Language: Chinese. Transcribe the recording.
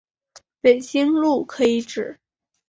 北京路可以指